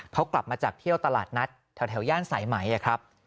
เขากลับมาจากเที่ยวตลาดนัดแถวย่านสายไหมครับ